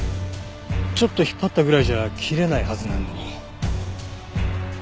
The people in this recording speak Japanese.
ちょっと引っ張ったぐらいじゃ切れないはずなのに。